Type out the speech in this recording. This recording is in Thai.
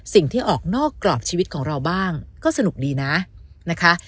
ออกนอกกรอบชีวิตของเราบ้างก็สนุกดีนะนะคะ